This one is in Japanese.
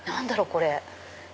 これ。